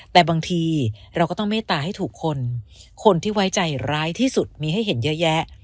แต่บางทีเราก็ต้องเมตตาให้ถูกคนคนที่ไว้ใจร้ายที่สุดมีให้เห็นเยอะแยะ